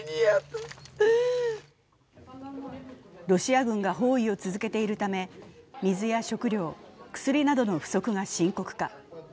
ロシア軍が包囲を続けているため水や食料、薬などの不足が深刻化。